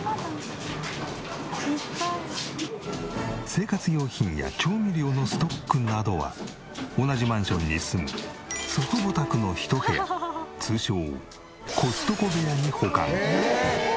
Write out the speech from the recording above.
生活用品や調味料のストックなどは同じマンションに住む祖父母宅の一部屋通称コストコ部屋に保管。